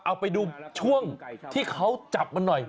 เอาไปดูช่วงที่เขาจับมันหน่อย